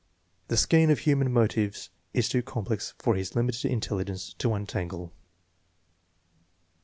The skein of human motives is too complex for his limited intelligence to untangle.